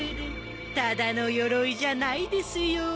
ただのよろいじゃないですよ。